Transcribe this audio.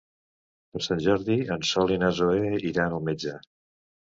Per Sant Jordi en Sol i na Zoè iran al metge.